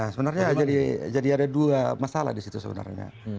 sebenarnya jadi ada dua masalah disitu sebenarnya